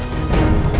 dan saya berharap